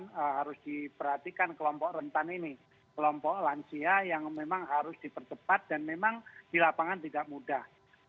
jadi ini memang harus diperhatikan kelompok rentan ini kelompok lansia yang memang harus dipercepat dan memang di lapangan tidak mudah